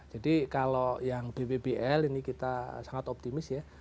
jadi kalau yang bpbl ini kita sangat optimis ya